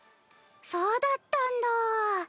そうだったんだ。